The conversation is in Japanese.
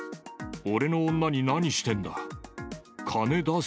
俺の女に何してるんだ。